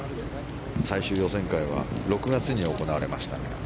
最終予選会は６月に行われました。